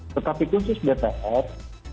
tetapi khusus dpr